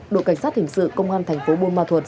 đội cảnh sát hình sự công an thành phố buôn ma thuật